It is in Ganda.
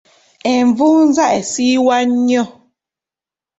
Envunza esiiwa nnyo.